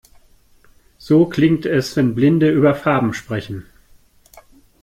So klingt es, wenn Blinde über Farben sprechen.